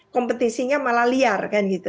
kompetisinya malah liar